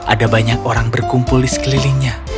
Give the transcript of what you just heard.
ada banyak orang berkumpul di sekelilingnya